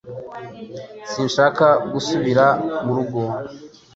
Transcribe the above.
Sinshaka gusubira mu rugo